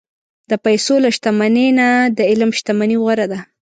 د پیسو له شتمنۍ نه، د علم شتمني غوره ده.